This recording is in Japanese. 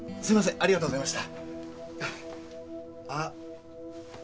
ありがとうございます。